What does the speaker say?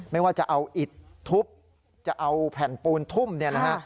ไม่ว่าจะเอาอิดทุบจะเอาแผ่นปูนทุ่มเนี่ยนะฮะ